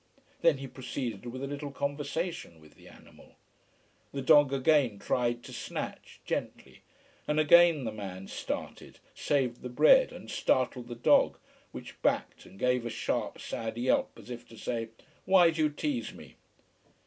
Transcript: Then he proceeded with a little conversation with the animal. The dog again tried to snatch, gently, and again the man started, saved the bread, and startled the dog, which backed and gave a sharp, sad yelp, as if to say: "Why do you tease me!"